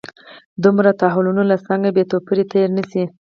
دومره تحولونو له څنګه بې توپیره تېر نه شي.